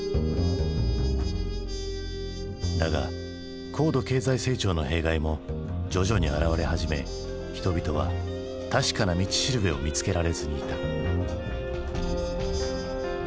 だが高度経済成長の弊害も徐々に現れ始め人々は確かな道しるべを見つけられずにいた。